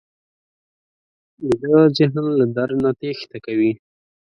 ویده ذهن له درد نه تېښته کوي